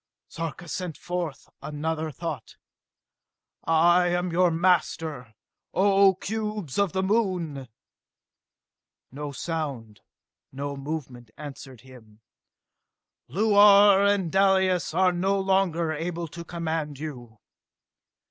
Sarka sent forth another thought. "I am your master, O cubes of the Moon!" No sound, no movement, answered him. "Luar and Dalis are no longer able to command you!"